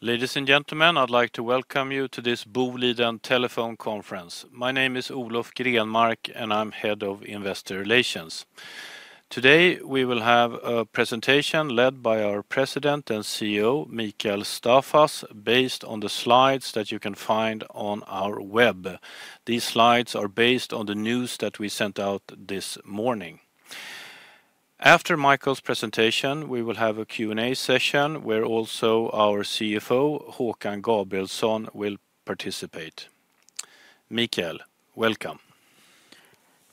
Ladies and gentlemen, I'd like to welcome you to this Boliden Telephone Conference. My name is Olof Grenmark, and I'm Head of Investor Relations. Today, we will have a presentation led by our President and CEO, Mikael Staffas, based on the slides that you can find on our web. These slides are based on the news that we sent out this morning. After Mikael's presentation, we will have a Q&A session, where also our CFO, Håkan Gabrielsson, will participate. Mikael, welcome.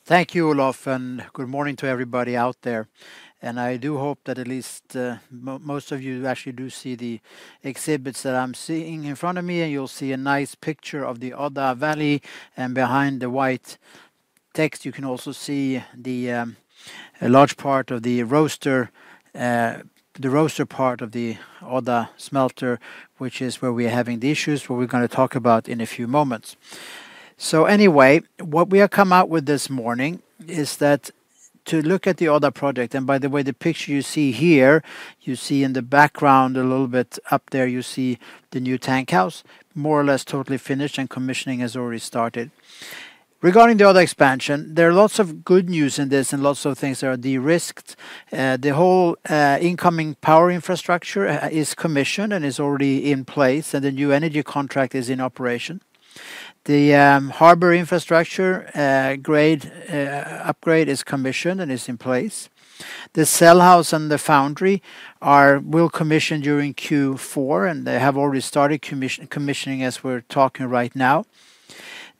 Thank you, Olof, and good morning to everybody out there, and I do hope that at least most of you actually do see the exhibits that I'm seeing in front of me, and you'll see a nice picture of the Odda Valley, and behind the white text, you can also see a large part of the roaster, the roaster part of the Odda smelter, which is where we're having the issues, what we're gonna talk about in a few moments. Anyway, what we have come out with this morning is that to look at the Odda project, and by the way, the picture you see here, you see in the background a little bit up there, you see the new tank house, more or less totally finished, and commissioning has already started. Regarding the Odda expansion, there are lots of good news in this and lots of things that are de-risked. The whole incoming power infrastructure is commissioned and is already in place, and the new energy contract is in operation. The harbor infrastructure grade upgrade is commissioned and is in place. The cell house and the foundry will commission during Q4, and they have already started commissioning as we're talking right now.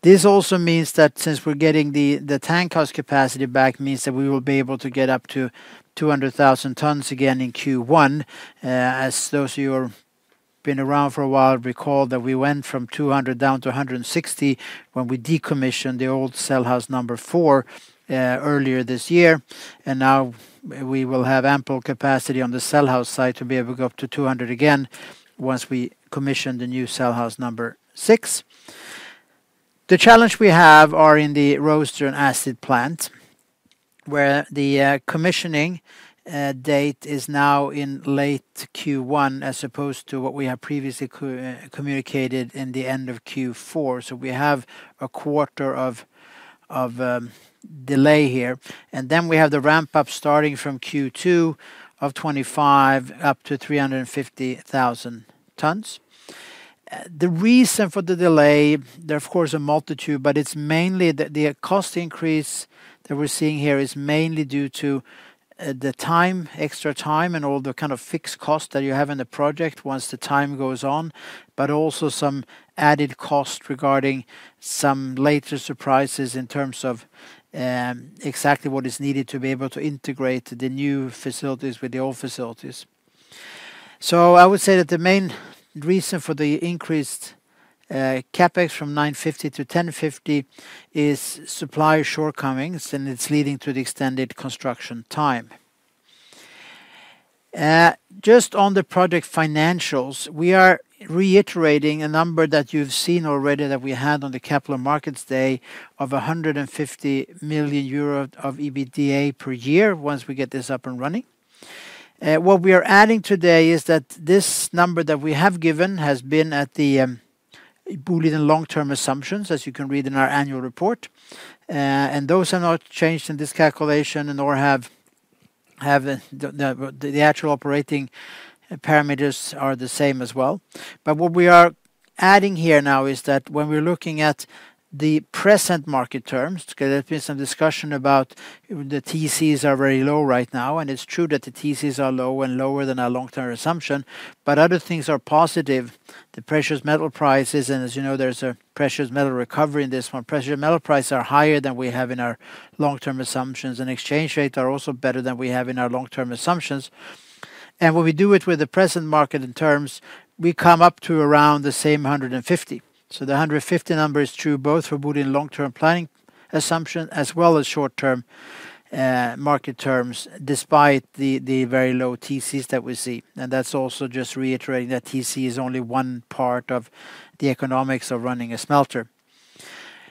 This also means that since we're getting the tank house capacity back, means that we will be able to get up to two hundred thousand tons again in Q1. As those of you who are been around for a while recall that we went from two hundred down to a hundred and sixty when we decommissioned the old cell house number four earlier this year. Now we will have ample capacity on the cell house site to be able to go up to two hundred again once we commission the new cell house number six. The challenge we have are in the roaster and acid plant, where the commissioning date is now in late Q1, as opposed to what we have previously communicated in the end of Q4. So we have a quarter of delay here, and then we have the ramp-up starting from Q2 of 2025, up to three hundred and fifty thousand tons. The reason for the delay, there are, of course, a multitude, but it's mainly the cost increase that we're seeing here is mainly due to the extra time, and all the kind of fixed costs that you have in the project once the time goes on. But also some added cost regarding some later surprises in terms of exactly what is needed to be able to integrate the new facilities with the old facilities, so I would say that the main reason for the increased CapEx from 950-1,050 is supply shortcomings, and it's leading to the extended construction time. Just on the project financials, we are reiterating a number that you've seen already that we had on the Capital Markets Day of 150 million euro of EBITDA per year once we get this up and running. What we are adding today is that this number that we have given has been at the Boliden long-term assumptions, as you can read in our annual report. And those are not changed in this calculation, nor have the actual operating parameters changed. They are the same as well. But what we are adding here now is that when we're looking at the present market terms, because there's been some discussion about the TCs are very low right now, and it's true that the TCs are low and lower than our long-term assumption, but other things are positive. The precious metal prices, and as you know, there's a precious metal recovery in this one. Precious metal prices are higher than we have in our long-term assumptions, and exchange rates are also better than we have in our long-term assumptions. And when we do it with the present market terms, we come up to around the same 150. The hundred and fifty number is true both for Boliden long-term planning assumption, as well as short-term market terms, despite the very low TCs that we see. That's also just reiterating that TC is only one part of the economics of running a smelter.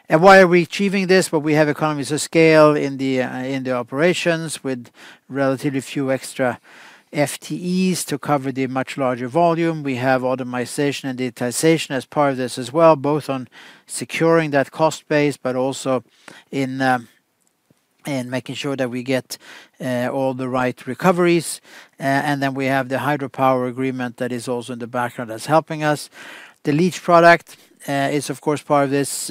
Why are we achieving this? We have economies of scale in the operations with relatively few extra FTEs to cover the much larger volume. We have automation and digitization as part of this as well, both on securing that cost base, but also in making sure that we get all the right recoveries. Then we have the hydropower agreement that is also in the background that's helping us. The leach product is, of course, part of this,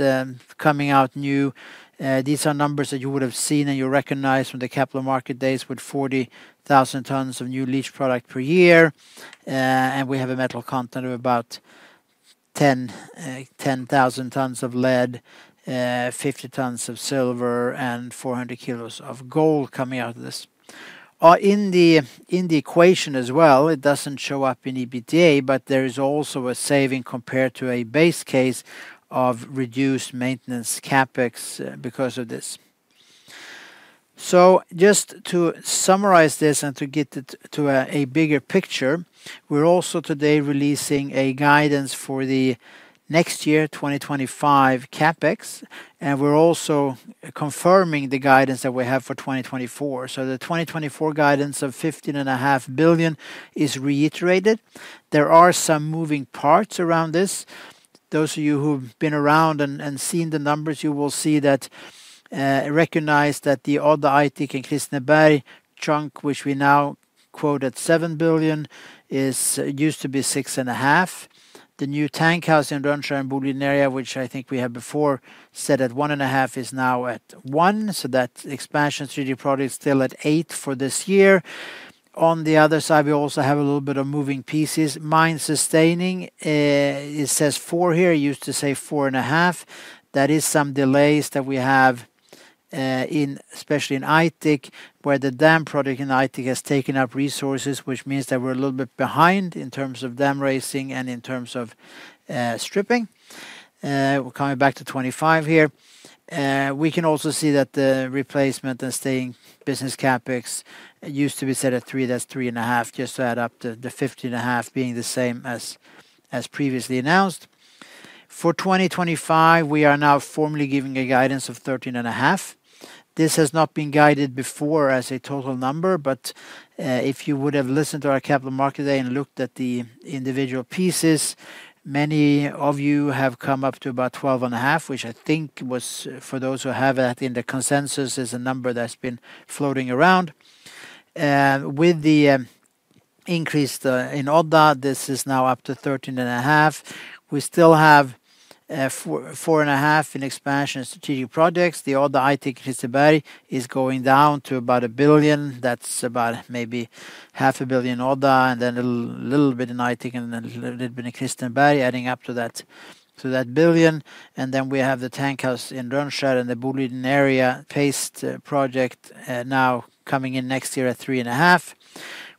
coming out new. These are numbers that you would have seen, and you recognize from the Capital Markets Days with 40,000 tons of new leach product per year. And we have a metal content of about 10,000 tons of lead, 50 tons of silver, and 400 kilos of gold coming out of this. In the equation as well, it doesn't show up in EBITDA, but there is also a saving compared to a base case of reduced maintenance CapEx because of this. Just to summarize this and to get it to a bigger picture, we're also today releasing a guidance for the next year, 2025, CapEx, and we're also confirming the guidance that we have for 2024. The 2024 guidance of 15.5 billion is reiterated. There are some moving parts around this... Those of you who've been around and seen the numbers, you will see that, recognize that the Odda, Aitik and Kristineberg chunk, which we now quote at 7 billion, is used to be six and a half. The new tank house in Rönnskär and Boliden Area, which I think we have before said at one and a half, is now at one, so that expansion strategic project is still at eight for this year. On the other side, we also have a little bit of moving pieces. Mine sustaining, it says four here, it used to say four and a half. That is some delays that we have, in especially in Aitik, where the dam project in Aitik has taken up resources, which means that we're a little bit behind in terms of dam raising and in terms of stripping. We're coming back to 2025 here. We can also see that the replacement and stay-in-business CapEx used to be set at 3, that's 3.5, just to add up to the 15.5, being the same as previously announced. For 2025, we are now formally giving a guidance of 13.5. This has not been guided before as a total number, but if you would have listened to our Capital Markets Day and looked at the individual pieces, many of you have come up to about 12.5, which I think was, for those who have that in the consensus, is a number that's been floating around. With the increase in Odda, this is now up to 13.5. We still have 4-4.5 billion in expansion strategic projects. The Odda, Aitik, Kristineberg is going down to about 1 billion. That's about maybe 0.5 billion Odda, and then a little, little bit in Aitik and then a little bit in Kristineberg, adding up to that billion. And then we have the tank house in Rönnskär, and the Boliden Area Paste Project, now coming in next year at 3.5 billion.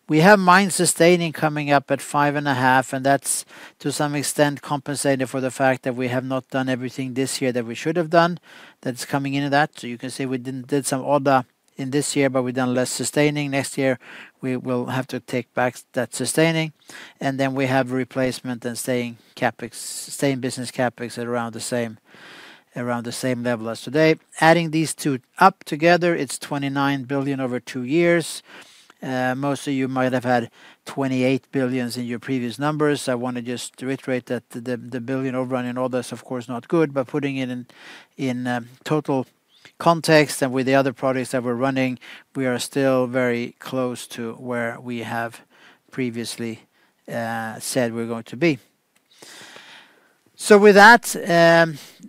We have mine sustaining coming up at 5.5 billion, and that's, to some extent, compensated for the fact that we have not done everything this year that we should have done. That's coming into that, so you can see we did some Odda in this year, but we've done less sustaining. Next year, we will have to take back that sustaining. And then we have replacement and sustaining CapEx, sustaining business CapEx at around the same level as today. Adding these two up together, it's 29 billion over two years. Most of you might have had 28 billion SEK in your previous numbers. I want to just reiterate that the billion overrun in Odda is, of course, not good, but putting it in total context and with the other projects that we're running, we are still very close to where we have previously said we're going to be. So with that,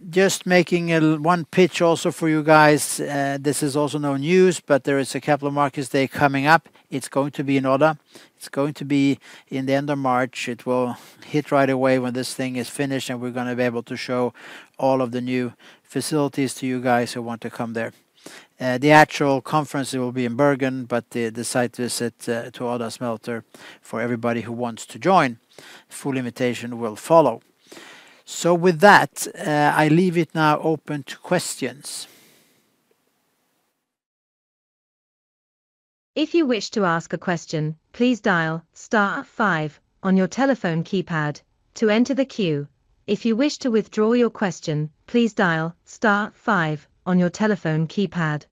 just making a one pitch also for you guys. This is also no news, but there is a Capital Markets Day coming up. It's going to be in Odda. It's going to be in the end of March. It will hit right away when this thing is finished, and we're gonna be able to show all of the new facilities to you guys who want to come there. The actual conference, it will be in Bergen, but the site visit to Odda Smelter for everybody who wants to join. Full invitation will follow. So with that, I leave it now open to questions. If you wish to ask a question, please dial star five on your telephone keypad to enter the queue. If you wish to withdraw your question, please dial star five on your telephone keypad.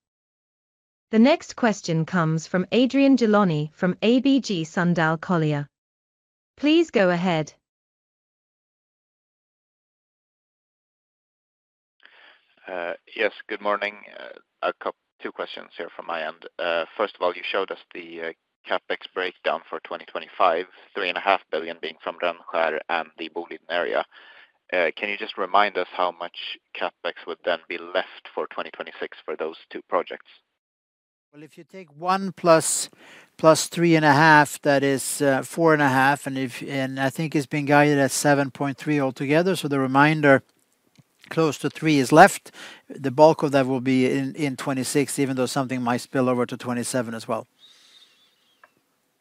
The next question comes from Adrian Gilani from ABG Sundal Collier. Please go ahead. Yes, good morning. Two questions here from my end. First of all, you showed us the CapEx breakdown for 2025, 3.5 billion being from Rönnskär and the Boliden Area. Can you just remind us how much CapEx would then be left for 2026 for those two projects? If you take one plus three and a half, that is four and a half, and if and I think it's been guided at seven point three altogether, so the remainder, close to three, is left. The bulk of that will be in 2026, even though something might spill over to 2027 as well.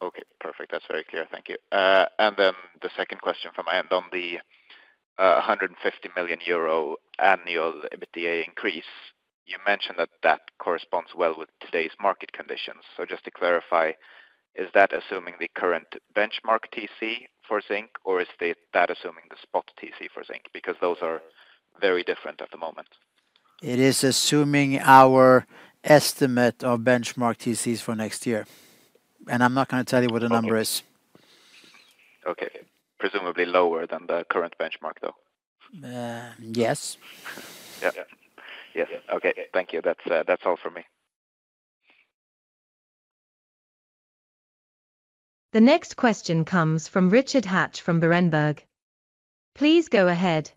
Okay, perfect. That's very clear. Thank you. And then the second question from my end on the 150 million euro annual EBITDA increase. You mentioned that that corresponds well with today's market conditions. So just to clarify, is that assuming the current benchmark TC for zinc, or is that assuming the spot TC for zinc? Because those are very different at the moment. It is assuming our estimate of benchmark TCs for next year, and I'm not gonna tell you what the number is. Okay. Presumably lower than the current benchmark, though? Uh, yes. Yeah. Yes. Okay. Thank you. That's... That's all for me. The next question comes from Richard Hatch from Berenberg. Please go ahead.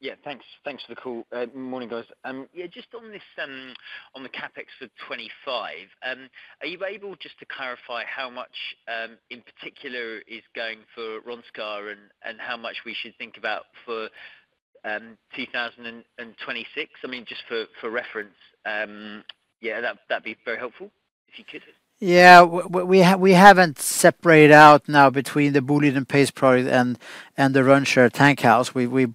Yeah, thanks. Thanks for the call. Good morning, guys. Yeah, just on this, on the CapEx for 2025, are you able just to clarify how much, in particular, is going for Rönnskär and how much we should think about for 2026? I mean, just for reference, yeah, that'd be very helpful, if you could. Yeah. We haven't separated out now between the Boliden and Paste Project and the Rönnskär tank house. We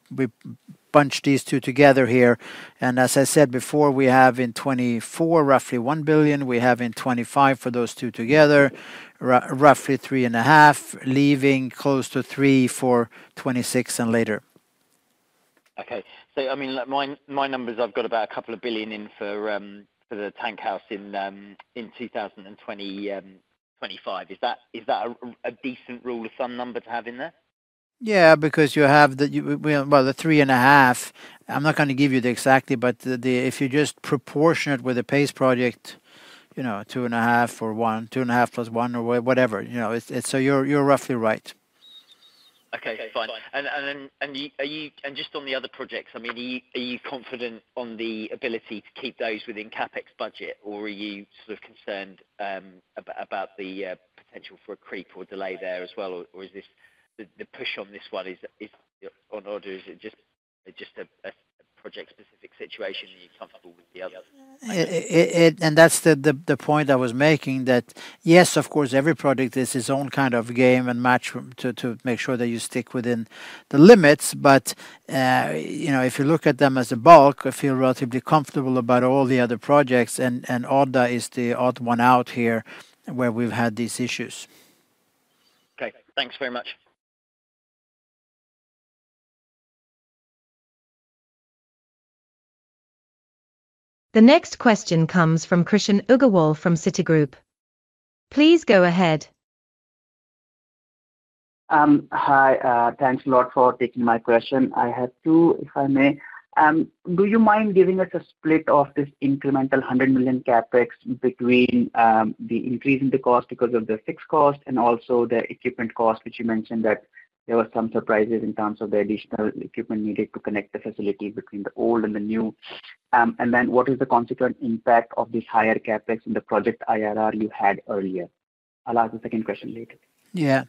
bunched these two together here, and as I said before, we have in 2024, roughly 1 billion. We have in 2025, for those two together, roughly 3.5 billion, leaving close to 3 billion for 2026 and later. Okay. So I mean, like, my numbers, I've got about a couple of billion in for the tank house in 2025. Is that a decent rule of thumb number to have in there? Yeah, because you have the three and a half. I'm not gonna give you the exact, but the if you just proportionate with the Paste Project, you know, two and a half or one, two and a half plus one or whatever, you know, it's so you're roughly right. Okay, fine. And then, just on the other projects, I mean, are you confident on the ability to keep those within CapEx budget? Or are you sort of concerned about the potential for a creep or delay there as well? Or is this the push on this one? Is it on order? Is it just a project-specific situation, and you're comfortable with the others? And that's the point I was making, that yes, of course, every project is its own kind of game and match to make sure that you stick within the limits. But you know, if you look at them as a bulk, I feel relatively comfortable about all the other projects, and Odda is the odd one out here, where we've had these issues. Okay. Thanks very much. The next question comes from Krishan Agarwal from Citigroup. Please go ahead. Hi. Thanks a lot for taking my question. I have two, if I may. Do you mind giving us a split of this incremental 100 million CapEx between the increase in the cost because of the fixed cost and also the equipment cost, which you mentioned that there were some surprises in terms of the additional equipment needed to connect the facility between the old and the new? And then what is the consequent impact of this higher CapEx in the project IRR you had earlier? I'll ask the second question later. Yeah.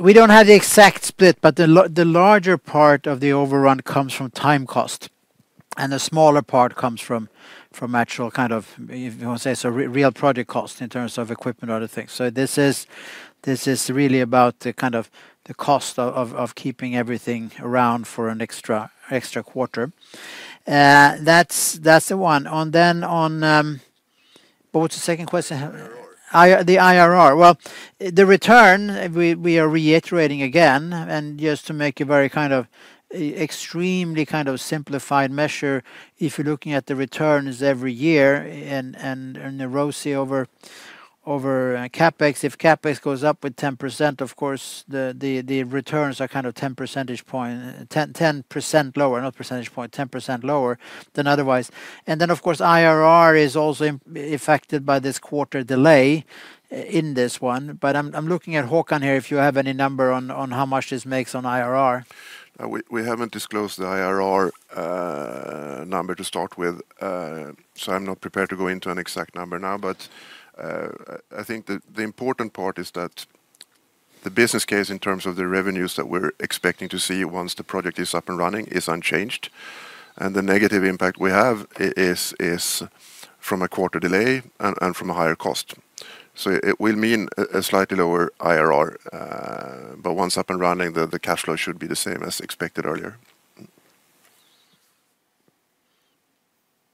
We don't have the exact split, but the larger part of the overrun comes from time cost, and the smaller part comes from actual, kind of, if you want to say, real project cost in terms of equipment, other things. So this is really about the kind of the cost of keeping everything around for an extra quarter. That's the one. On then, on. What was the second question? IRR. IRR, the IRR. Well, the return, we are reiterating again, and just to make it very kind of, extremely kind of simplified measure, if you're looking at the returns every year and the ROC over CapEx, if CapEx goes up with 10%, of course, the returns are kind of 10 percentage point, 10% lower, not percentage point, 10% lower than otherwise. And then, of course, IRR is also impacted by this quarter delay in this one. But I'm looking at Håkan here, if you have any number on how much this makes on IRR. We haven't disclosed the IRR number to start with, so I'm not prepared to go into an exact number now. But I think the important part is that the business case in terms of the revenues that we're expecting to see once the project is up and running is unchanged. And the negative impact we have is from a quarter delay and from a higher cost. So it will mean a slightly lower IRR, but once up and running, the cash flow should be the same as expected earlier.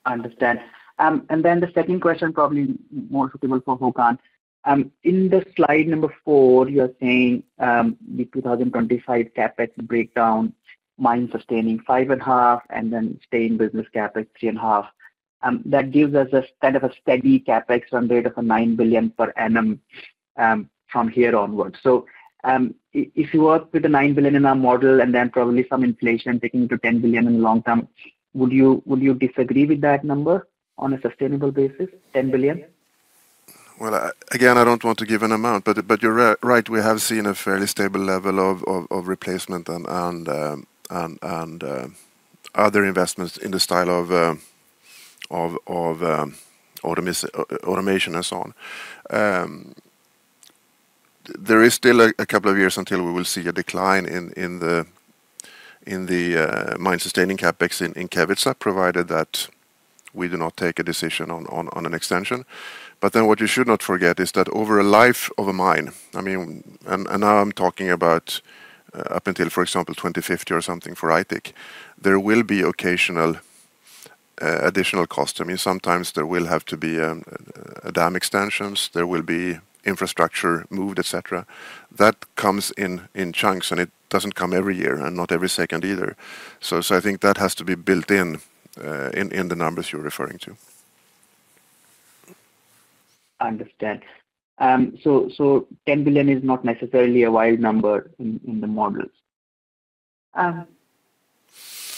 Understand. Then the second question, probably more suitable for Håkan. In the slide number four, you are saying the 2025 CapEx breakdown, mine sustaining 5.5, and then staying in business CapEx 3.5. That gives us a kind of a steady CapEx run rate of 9 billion per annum from here onwards. If you work with the 9 billion in our model, and then probably some inflation taking it to 10 billion in the long term, would you disagree with that number on a sustainable basis, 10 billion? Again, I don't want to give an amount, but you're right. We have seen a fairly stable level of replacement and other investments in the style of automation and so on. There is still a couple of years until we will see a decline in the mine-sustaining CapEx in Kevitsa, provided that we do not take a decision on an extension. Then what you should not forget is that over a life of a mine, I mean, now I'm talking about up until, for example, 2050 or something, for Aitik, there will be occasional additional cost. I mean, sometimes there will have to be a dam extensions, there will be infrastructure moved, et cetera. That comes in chunks, and it doesn't come every year, and not every second either. So, I think that has to be built in, in the numbers you're referring to. Understood. So 10 billion is not necessarily a wild number in the models?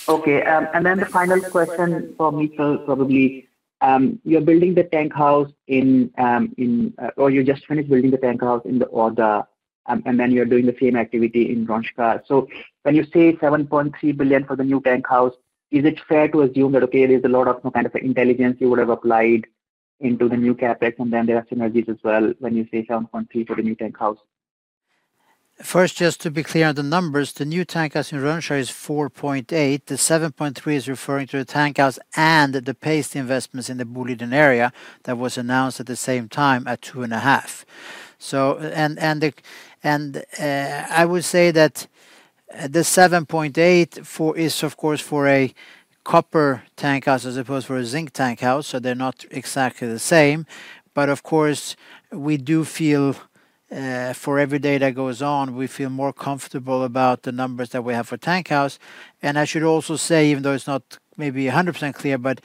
Okay, and then the final question for Mikael, probably. You're building the tank house in... Or you just finished building the tank house in Odda, and then you're doing the same activity in Rönnskär. So when you say 7.3 billion for the new tank house, is it fair to assume that, okay, there's a lot of kind of intelligence you would have applied into the new CapEx, and then there are synergies as well when you say 7.3 billion for the new tank house? First, just to be clear on the numbers, the new tank house in Rönnskär is 4.8. The 7.3 is referring to the tank house and the paste investments in the Boliden Area that was announced at the same time at 2.5. So, and the, I would say that the 7.8 is, of course, for a copper tank house as opposed to a zinc tank house, so they're not exactly the same. But of course, we do feel for every day that goes on, we feel more comfortable about the numbers that we have for tank house. And I should also say, even though it's not maybe 100% clear, but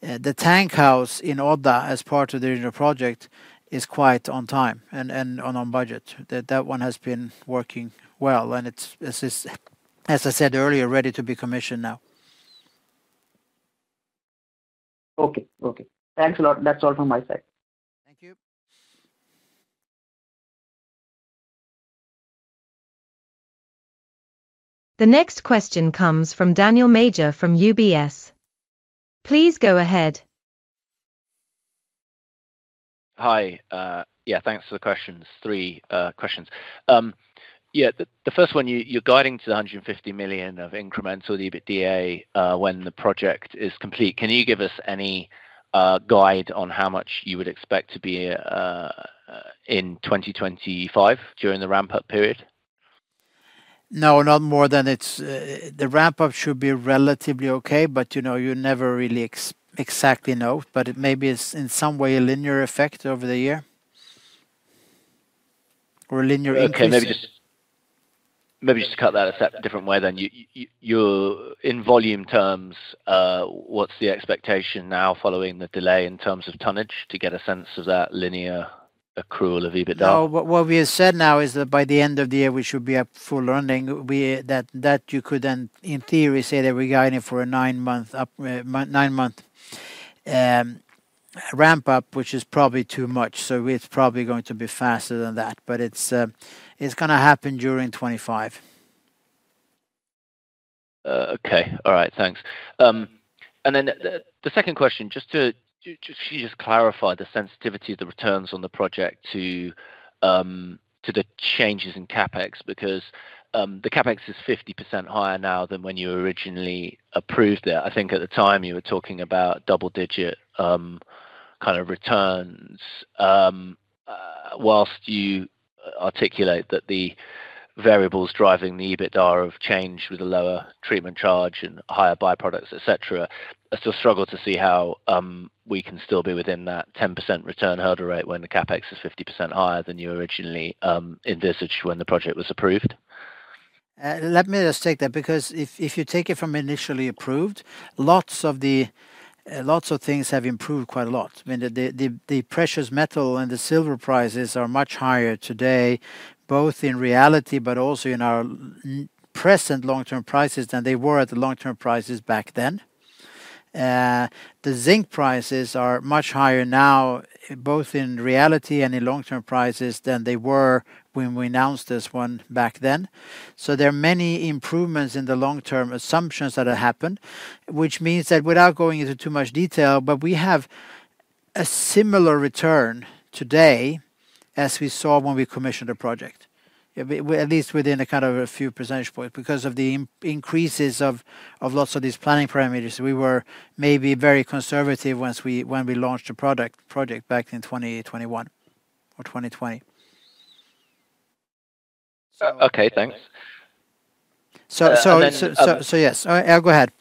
the tank house in Odda, as part of the original project, is quite on time and on budget. That one has been working well, and this is, as I said earlier, ready to be commissioned now. Okay. Okay. Thanks a lot. That's all from my side. Thank you. The next question comes from Daniel Major from UBS. Please go ahead. Hi. Yeah, thanks for the questions. Three questions. Yeah, the first one, you're guiding to the 150 million of incremental EBITDA when the project is complete. Can you give us any guide on how much you would expect to be in 2025 during the ramp-up period? No, not more than it's. The ramp-up should be relatively okay, but, you know, you never really exactly know, but it may be it's, in some way, a linear effect over the year or a linear increase. Okay. Maybe just to cut that a different way then. You, in volume terms, what's the expectation now following the delay in terms of tonnage? To get a sense of that linear accrual of EBITDA. No, what we have said now is that by the end of the year, we should be at full running. That you could then, in theory, say that we're guiding for a nine-month ramp up, which is probably too much. So it's probably going to be faster than that, but it's gonna happen during 2025. Okay. All right, thanks. And then the second question, just to clarify the sensitivity of the returns on the project to the changes in CapEx? Because the CapEx is 50% higher now than when you originally approved it. I think at the time, you were talking about double digit kind of returns. Whilst you articulate that the variables driving the EBITDA have changed with a lower treatment charge and higher byproducts, et cetera, I still struggle to see how we can still be within that 10% return hurdle rate when the CapEx is 50% higher than you originally envisaged when the project was approved. Let me just take that, because if you take it from initially approved, lots of things have improved quite a lot. I mean, the precious metal and the silver prices are much higher today, both in reality, but also in our present long-term prices than they were at the long-term prices back then. The zinc prices are much higher now, both in reality and in long-term prices than they were when we announced this one back then. So there are many improvements in the long-term assumptions that have happened, which means that without going into too much detail, but we have a similar return today as we saw when we commissioned a project. At least within a kind of a few percentage point, because of the increases of lots of these planning parameters. We were maybe very conservative when we launched a product, project back in 2021 or 2020. Okay, thanks. So yes. All right, go ahead.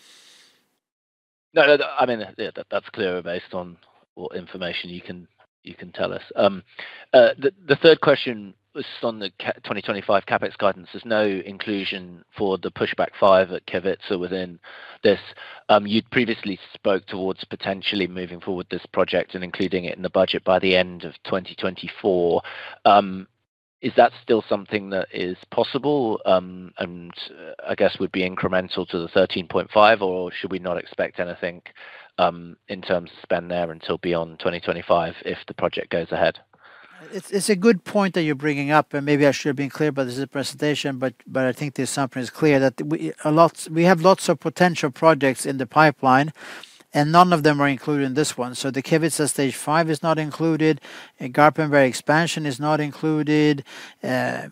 No, no, I mean, yeah, that's clearer based on what information you can tell us. The third question was on the 2025 CapEx guidance. There's no inclusion for the Pushback 5 at Kevitsa, so within this, you'd previously spoke towards potentially moving forward this project and including it in the budget by the end of 2024. Is that still something that is possible? And I guess would be incremental to the 13.5, or should we not expect anything in terms of spend there until beyond 2025, if the project goes ahead? It's a good point that you're bringing up, and maybe I should have been clear about this in the presentation, but I think the assumption is clear that we have lots of potential projects in the pipeline, and none of them are included in this one. So the Kevitsa Stage 5 is not included, Garpenberg expansion is not included, a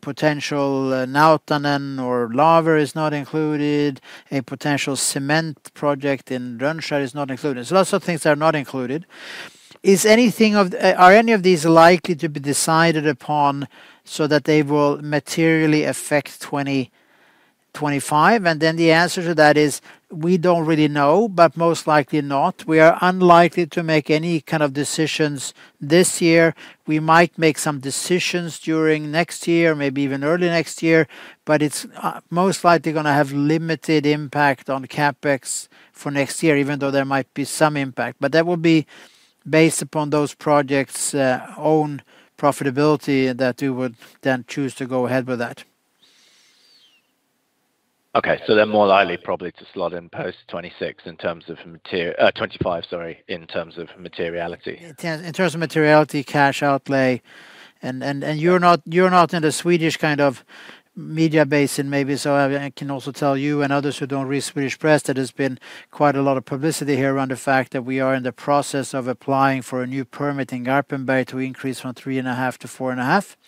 potential Nautanen or Laver is not included, a potential cement project in Rönnskär is not included. So lots of things are not included. Are any of these likely to be decided upon so that they will materially affect 2025? And then the answer to that is, we don't really know, but most likely not. We are unlikely to make any kind of decisions this year. We might make some decisions during next year, maybe even early next year, but it's most likely gonna have limited impact on CapEx for next year, even though there might be some impact. But that will be based upon those projects' own profitability, that we would then choose to go ahead with that. Okay. So they're more likely probably to slot in post 2026 in terms of materiality. 2025, sorry, in terms of materiality. In terms of materiality, cash outlay, and you're not in the Swedish kind of media base, and maybe so I can also tell you and others who don't read Swedish press, that there's been quite a lot of publicity here around the fact that we are in the process of applying for a new permit in Garpenberg to increase from three and a half to four and a half.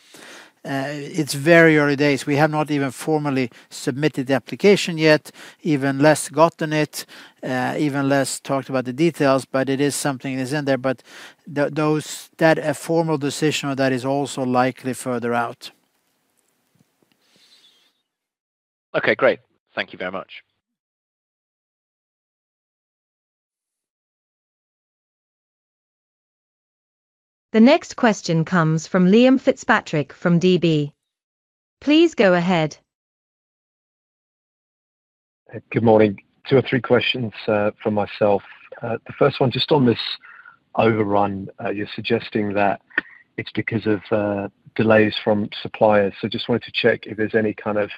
It's very early days. We have not even formally submitted the application yet, even less gotten it, even less talked about the details, but it is something that is in there. But that a formal decision on that is also likely further out. Okay, great. Thank you very much. The next question comes from Liam Fitzpatrick from DB. Please go ahead. Good morning. Two or three questions from myself. The first one, just on this overrun, you're suggesting that it's because of delays from suppliers. So just wanted to check if there's any kind of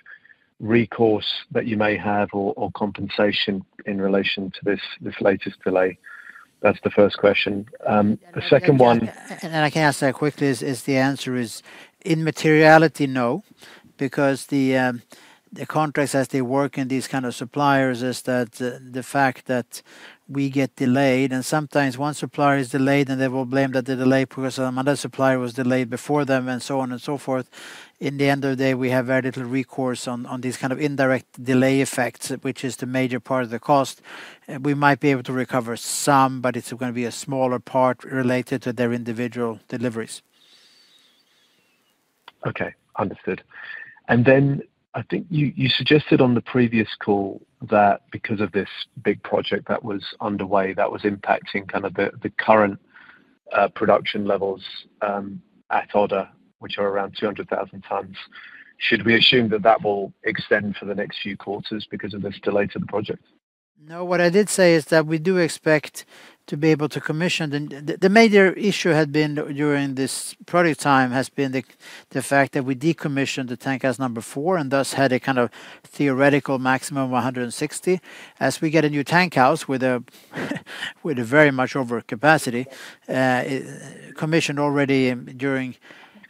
recourse that you may have or compensation in relation to this latest delay. That's the first question. The second one. I can answer that quickly. The answer is, in materiality, no, because the contracts as they work in these kind of suppliers is that the fact that we get delayed, and sometimes one supplier is delayed, and they will blame that the delay because another supplier was delayed before them, and so on and so forth. In the end of the day, we have very little recourse on these kind of indirect delay effects, which is the major part of the cost. We might be able to recover some, but it's gonna be a smaller part related to their individual deliveries. Okay, understood. And then I think you suggested on the previous call that because of this big project that was underway, that was impacting kind of the current production levels at Odda, which are around 200,000 tons. Should we assume that that will extend for the next few quarters because of this delay to the project? No, what I did say is that we do expect to be able to commission the. The major issue had been during this project time has been the fact that we decommissioned the tank house number four, and thus had a kind of theoretical maximum of one hundred and sixty. As we get a new tank house with a very much over capacity commissioned already during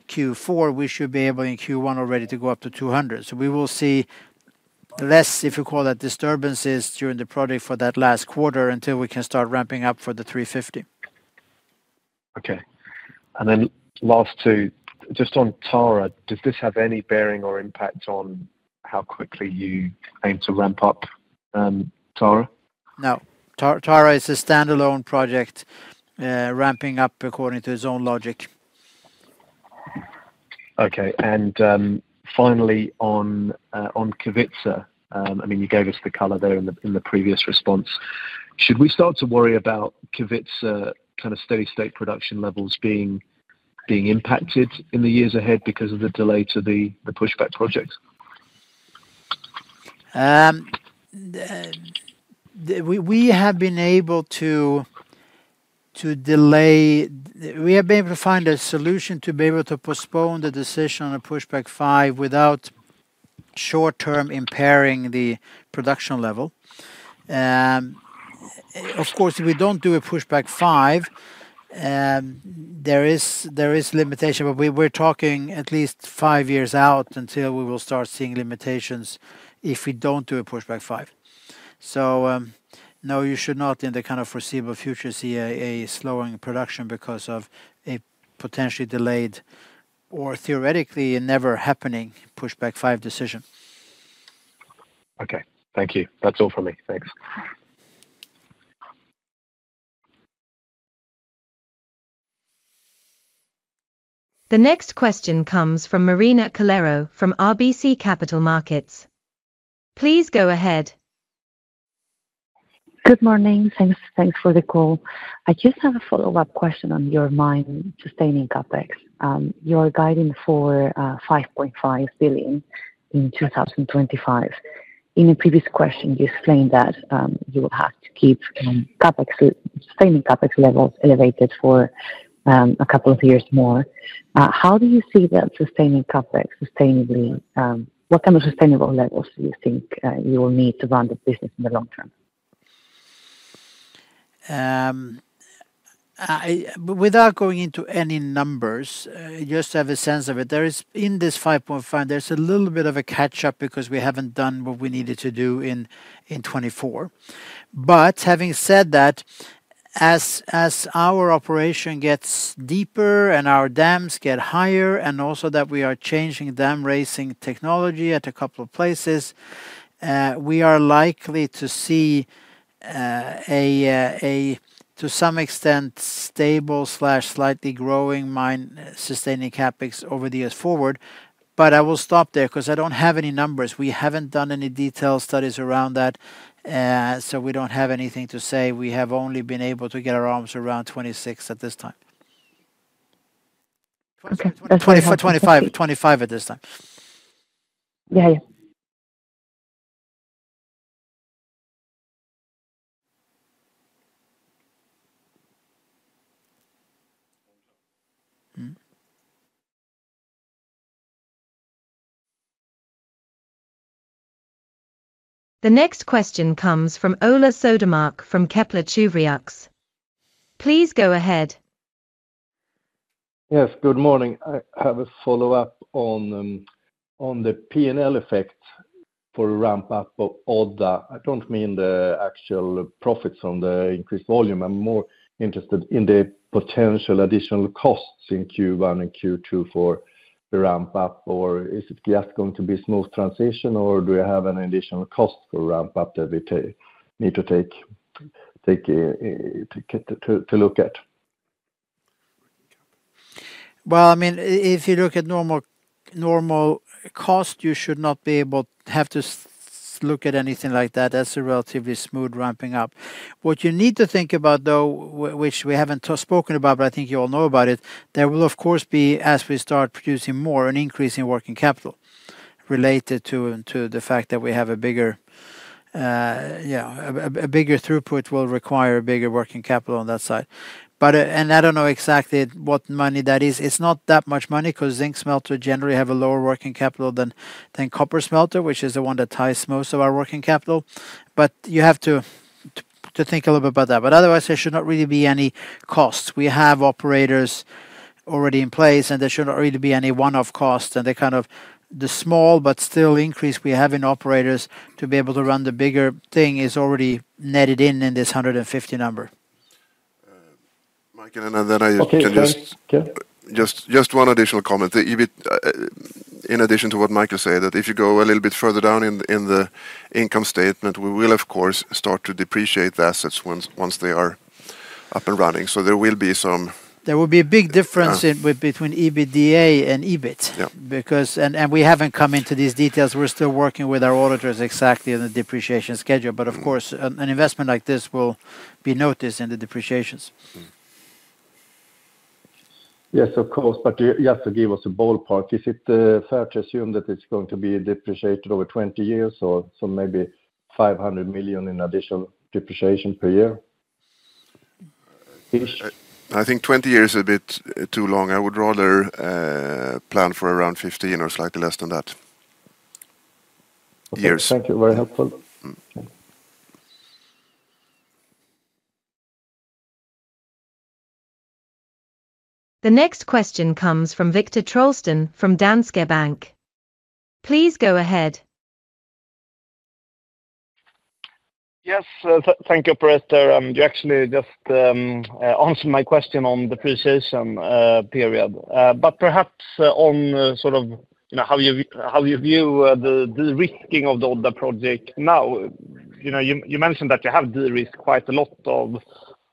Q4, we should be able, in Q1 already, to go up to two hundred. So we will see less, if you call that, disturbances during the project for that last quarter, until we can start ramping up for the three fifty. Okay. And then last two, just on Tara, does this have any bearing or impact on how quickly you aim to ramp up, Tara? No. Tara is a standalone project, ramping up according to its own logic. Okay. And, finally, on Kevitsa, I mean, you gave us the color there in the previous response. Should we start to worry about Kevitsa, kind of, steady state production levels being impacted in the years ahead because of the delay to the pushback project? We have been able to find a solution to be able to postpone the decision on a Pushback 5, without short-term impairing the production level. Of course, if we don't do a Pushback 5, there is limitation, but we're talking at least five years out until we will start seeing limitations if we don't do a Pushback 5. So, no, you should not, in the kind of foreseeable future, see a slowing production because of a potentially delayed or theoretically a never happening Pushback 5 decision. Okay, thank you. That's all for me. Thanks. The next question comes from Marina Calero from RBC Capital Markets. Please go ahead. Good morning. Thanks for the call. I just have a follow-up question on your mines sustaining CapEx. You are guiding for 5.5 billion in 2025. In a previous question, you explained that you will have to keep CapEx, sustaining CapEx levels elevated for a couple of years more. How do you see that sustaining CapEx sustainably? What kind of sustainable levels do you think you will need to run this business in the long term? Without going into any numbers, just to have a sense of it, there is, in this 5.5, there's a little bit of a catch-up because we haven't done what we needed to do in 2024. But having said that, as our operation gets deeper and our dams get higher, and also that we are changing dam-raising technology at a couple of places, we are likely to see a to some extent stable, slightly growing mine-sustaining CapEx over the years forward. But I will stop there 'cause I don't have any numbers. We haven't done any detailed studies around that, so we don't have anything to say. We have only been able to get our arms around 2026 at this time. Okay. 2025, 2025 at this time. Yeah. Yeah. The next question comes from Ola Södermark from Kepler Cheuvreux. Please go ahead. Yes, good morning. I have a follow-up on the P&L effect for ramp up of Odda. I don't mean the actual profits on the increased volume. I'm more interested in the potential additional costs in Q1 and Q2 for the ramp up, or is it just going to be a smooth transition, or do you have an additional cost for ramp up that we need to take to get to look at? Well, I mean, if you look at normal, normal cost, you should not be able to have to look at anything like that. That's a relatively smooth ramping up. What you need to think about, though, which we haven't spoken about, but I think you all know about it, there will of course be, as we start producing more, an increase in working capital related to the fact that we have a bigger throughput will require a bigger working capital on that side. But, and I don't know exactly what money that is. It's not that much money, 'cause zinc smelter generally have a lower working capital than copper smelter, which is the one that ties most of our working capital. But you have to think a little bit about that. But otherwise, there should not really be any costs. We have operators already in place, and there shouldn't really be any one-off costs, and they kind of, the small but still increase we have in operators to be able to run the bigger thing is already netted in, in this hundred and fifty number. Mike, and then I can just- Okay, sorry. Yeah. Just, just one additional comment. The EBIT, in addition to what Mike is saying, that if you go a little bit further down in the income statement, we will, of course, start to depreciate the assets once they are up and running. So there will be some- There will be a big difference in between EBITDA and EBIT. Yeah. Because we haven't come into these details. We're still working with our auditors exactly on the depreciation schedule. But of course, an investment like this will be noticed in the depreciation. Yes, of course, but you have to give us a ballpark. Is it fair to assume that it's going to be depreciated over twenty years or so maybe five hundred million in additional depreciation per year? I think twenty years is a bit too long. I would rather plan for around fifteen or slightly less than that years. Okay. Thank you, very helpful. The next question comes from Viktor Trollsten from Danske Bank. Please go ahead. Yes, thank you, Operator. You actually just answered my question on the precision period. But perhaps, on sort of, you know, how you view the risking of the other project now. You know, you mentioned that you have de-risked quite a lot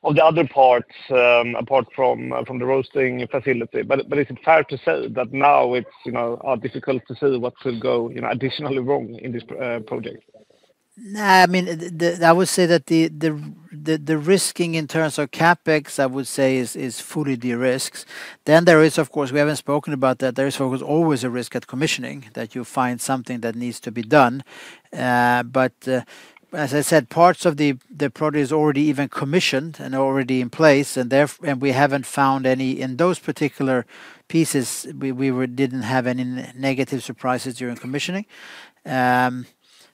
of the other parts, apart from the roasting facility. But is it fair to say that now it's, you know, difficult to say what will go additionally wrong in this project? Nah, I mean, I would say that the risking in terms of CapEx, I would say, is fully de-risked. Then there is, of course, we haven't spoken about that, there is always a risk at commissioning, that you find something that needs to be done. But, as I said, parts of the project is already even commissioned and already in place, and therefore and we haven't found any, in those particular pieces, we didn't have any negative surprises during commissioning.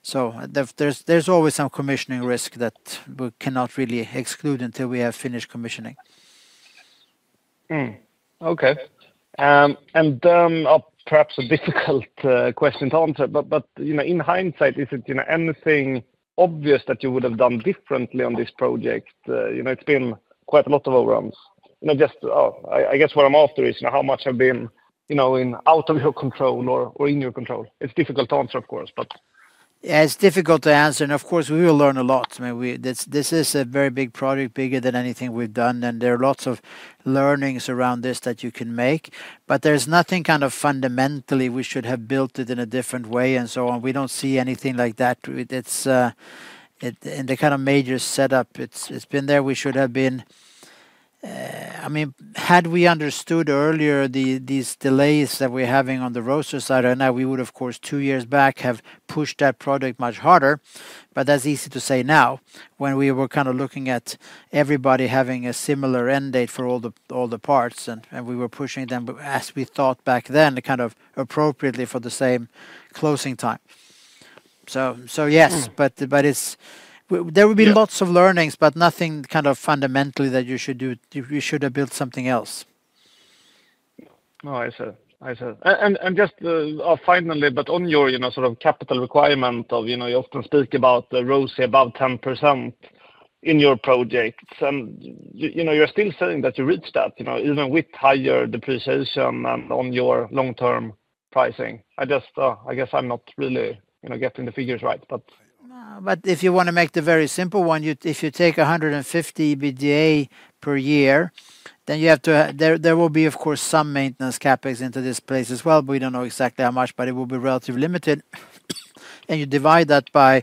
So there's always some commissioning risk that we cannot really exclude until we have finished commissioning. Okay. And then, perhaps a difficult question to answer, but you know, in hindsight, is it, you know, anything obvious that you would have done differently on this project? You know, it's been quite a lot of overruns. Not just. I guess what I'm after is, you know, how much have been, you know, in, out of your control or in your control? It's difficult to answer, of course, but. Yeah, it's difficult to answer, and of course, we will learn a lot. I mean, this is a very big project, bigger than anything we've done, and there are lots of learnings around this that you can make, but there's nothing kind of fundamentally we should have built it in a different way and so on. We don't see anything like that. It's in the kind of major setup, it's been there. We should have been. I mean, had we understood earlier, these delays that we're having on the roaster side, I know we would, of course, two years back, have pushed that project much harder. But that's easy to say now, when we were kind of looking at everybody having a similar end date for all the parts, and we were pushing them, but as we thought back then, kind of appropriately for the same closing time. So yes. There will be lots of learnings, but nothing kind of fundamentally that you should do. You should have built something else. Oh, I see. I see. And just finally, but on your, you know, sort of capital requirement of, you know, you often speak about the ROIC above 10% in your projects, and you know, you're still saying that you reached that, you know, even with higher depreciation and on your long-term pricing. I just, I guess I'm not really, you know, getting the figures right, but. But if you wanna make the very simple one, you if you take 150 EBITDA per year, then you have to. There will be, of course, some maintenance CapEx into this place as well, but we don't know exactly how much, but it will be relatively limited, and you divide that by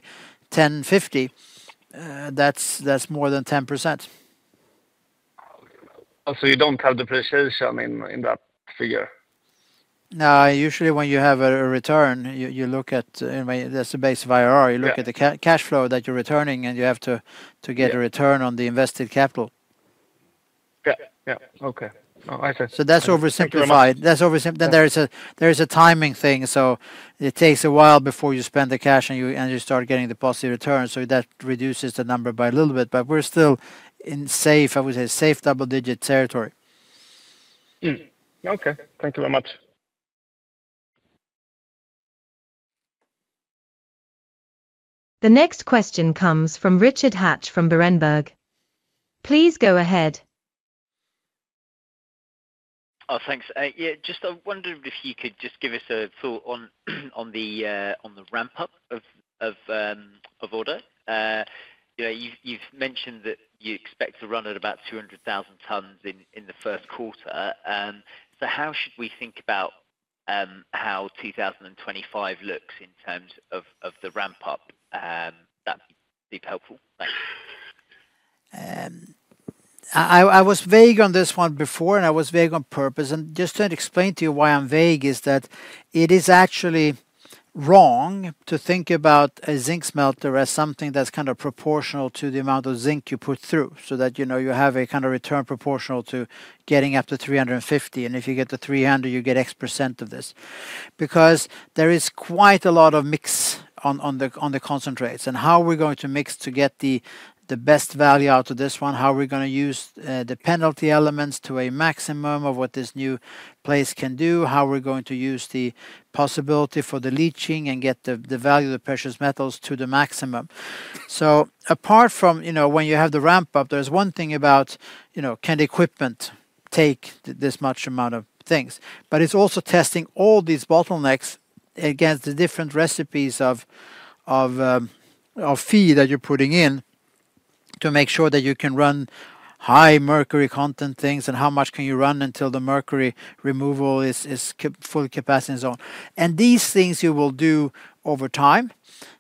10.50, that's more than 10%. Oh, so you don't have depreciation in that figure? No. Usually, when you have a return, you look at, I mean, that's the base of IRR. If you look at the cash flow that you're returning, and you have to get a return on the invested capital. Yeah. Yeah. Okay. Oh, I see. So that's oversimplified. Thank you very much. Then there is a timing thing, so it takes a while before you spend the cash, and you start getting the positive return, so that reduces the number by a little bit, but we're still in safe, I would say, safe double-digit territory. Okay. Thank you very much. The next question comes from Richard Hatch from Berenberg. Please go ahead. Oh, thanks. Yeah, just, I wondered if you could just give us a thought on the ramp-up of Odda. You know, you've mentioned that you expect to run at about two hundred thousand tons in the Q1. So how should we think about how 2025 looks in terms of the ramp up? That'd be helpful. Thanks. I was vague on this one before, and I was vague on purpose, and just to explain to you why I'm vague, is that it is actually wrong to think about a zinc smelter as something that's kind of proportional to the amount of zinc you put through, so that, you know, you have a kind of return proportional to getting up to 350, and if you get to 300, you get X% of this. Because there is quite a lot of mix on the concentrates, and how are we going to mix to get the best value out of this one? How are we gonna use the penalty elements to a maximum of what this new place can do? How are we going to use the possibility for the leaching and get the value of the precious metals to the maximum? So apart from, you know, when you have the ramp up, there's one thing about, you know, can the equipment take this much amount of things? But it's also testing all these bottlenecks against the different recipes of feed that you're putting in, to make sure that you can run high mercury content things, and how much can you run until the mercury removal is full capacity and so on. And these things you will do over time.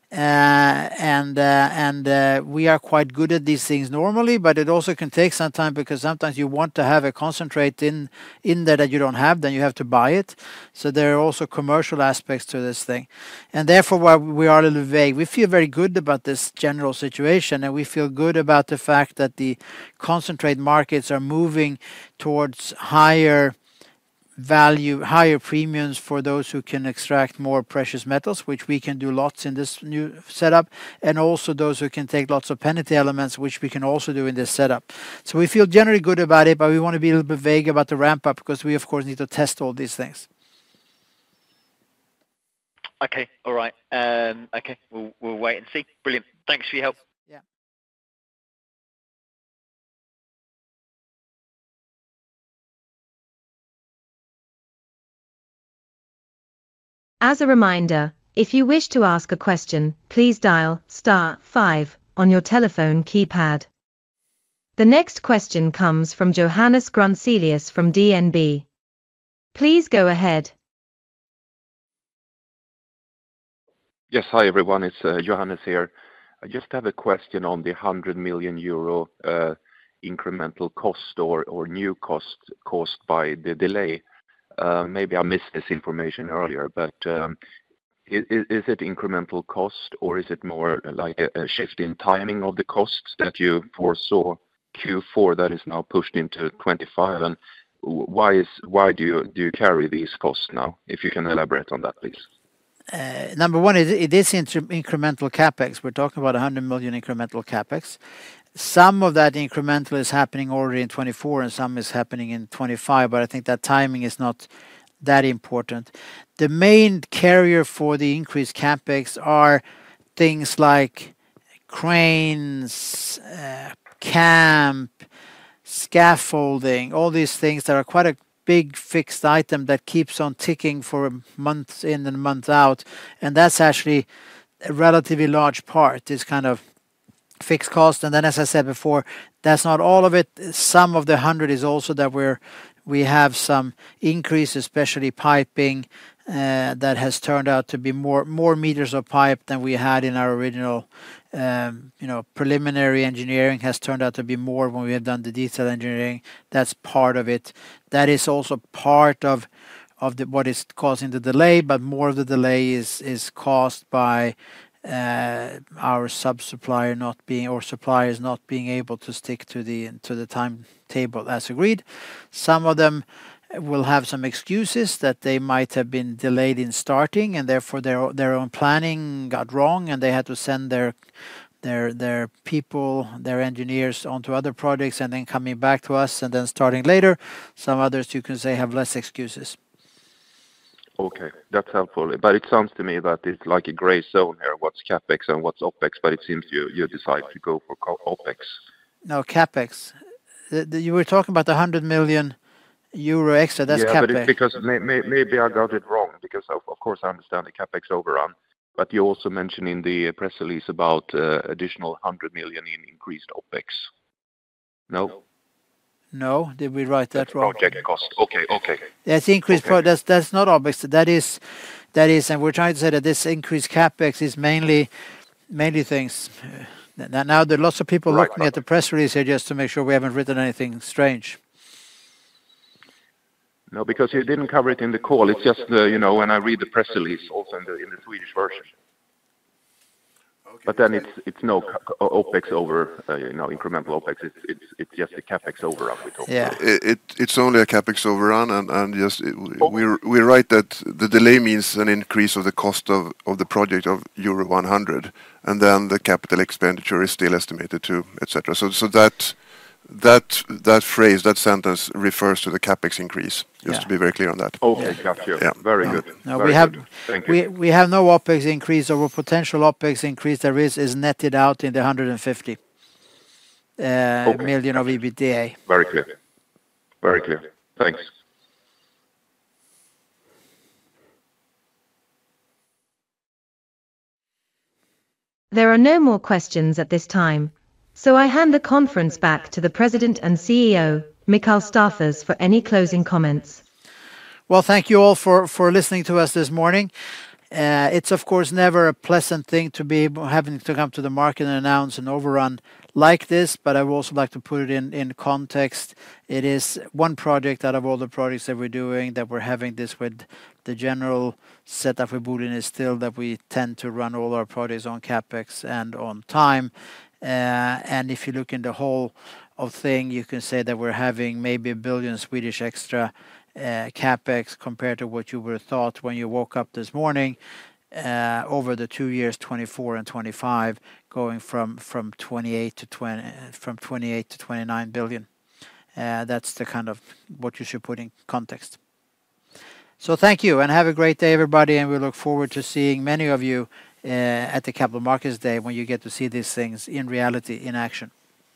And we are quite good at these things normally, but it also can take some time, because sometimes you want to have a concentrate in there that you don't have, then you have to buy it. So there are also commercial aspects to this thing. And therefore, why we are a little vague. We feel very good about this general situation, and we feel good about the fact that the concentrate markets are moving towards higher value, higher premiums for those who can extract more precious metals, which we can do lots in this new setup, and also those who can take lots of penalty elements, which we can also do in this setup. So we feel generally good about it, but we want to be a little bit vague about the ramp up, because we, of course, need to test all these things. Okay, all right. Okay, we'll wait and see. Brilliant. Thanks for your help. Yeah. As a reminder, if you wish to ask a question, please dial star five on your telephone keypad. The next question comes from Johannes Grunselius from DNB. Please go ahead. Yes, hi, everyone. It's Johannes here. I just have a question on the 100 million euro incremental cost or new cost caused by the delay. Maybe I missed this information earlier, but is it incremental cost or is it more like a shift in timing of the costs that you foresaw Q4 that is now pushed into 2025? And why do you carry these costs now? If you can elaborate on that, please. Number one, it is incremental CapEx. We're talking about 100 million incremental CapEx. Some of that incremental is happening already in 2024, and some is happening in 2025, but I think that timing is not that important. The main carrier for the increased CapEx are things like cranes, camp, scaffolding, all these things that are quite a big fixed item that keeps on ticking for months in and months out, and that's actually a relatively large part, this kind of fixed cost. Then, as I said before, that's not all of it. Some of the hundred is also that we have some increase, especially piping, that has turned out to be more meters of pipe than we had in our original, you know, preliminary engineering, has turned out to be more when we have done the detail engineering. That's part of it. That is also part of what is causing the delay, but more of the delay is caused by our sub-supplier not being, or suppliers not being able to stick to the timetable as agreed. Some of them will have some excuses that they might have been delayed in starting, and therefore, their people, their engineers onto other projects, and then coming back to us, and then starting later. Some others, you can say, have less excuses. Okay, that's helpful, but it sounds to me that it's like a gray zone here, what's CapEx and what's OpEx, but it seems you decide to go for CapEx. No, CapEx. You were talking about the 100 million euro extra, that's CapEx. Yeah, but it's because maybe I got it wrong because, of course, I understand the CapEx overrun, but you're also mentioning the press release about additional 100 million in increased OpEx. No? No. Did we write that wrong? The project cost. Okay, okay. There's increased pro. Okay. That's not obvious. That is, and we're trying to say that this increased CapEx is mainly things. Now there are lots of people looking at the press release here, just to make sure we haven't written anything strange. No, because you didn't cover it in the call. It's just, you know, when I read the press release, also in the Swedish version. But then it's no CapEx over, you know, incremental OpEx. It's just the CapEx overrun we're talking about. Yeah. It's only a CapEx overrun, and just we write that the delay means an increase of the cost of the project of euro 100, and then the capital expenditure is still estimated to, et cetera. So that phrase, that sentence refers to the CapEx increase just to be very clear on that. Okay, got you. Yeah. Very good. Yeah. Very good. Thank you. We have no OpEx increase or potential OpEx increase. There is netted out in the hundred and fifty million of EBITDA. Very clear. Very clear. Thanks. There are no more questions at this time, so I hand the conference back to the President and CEO, Mikael Staffas, for any closing comments. Thank you all for listening to us this morning. It's of course never a pleasant thing to be having to come to the market and announce an overrun like this, but I would also like to put it in context. It is one project out of all the projects that we're doing, that we're having this with. The general set up of Boliden is still that we tend to run all our projects on CapEx and on time. And if you look at the whole thing, you can say that we're having maybe 1 billion extra CapEx, compared to what you would have thought when you woke up this morning, over the two years, 2024 and 2025, going from 28 billion to 29 billion. That's the kind of what you should put in context. So thank you, and have a great day, everybody, and we look forward to seeing many of you at the Capital Markets Day, when you get to see these things in reality, in action.